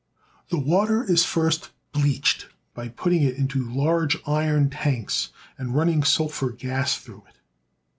The water is first bleached by putting it into large iron tanks and running sulphur gas through it.